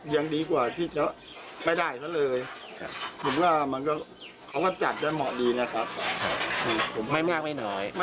ไม่พอแน่ใช่ไหม๘๐๐เนี่ยคือไม่น่าจะถึงเดือน